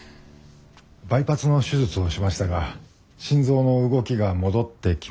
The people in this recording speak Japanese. バイパスの手術をしましたが心臓の動きが戻ってきませんでした。